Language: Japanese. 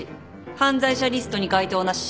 犯罪者リストに該当なし。